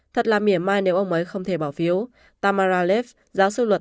thật là mỉa mai nếu ông ấy không thể bỏ phiếu tamara leff giáo sư luật